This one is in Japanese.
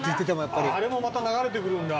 あれもまた流れてくるんだ。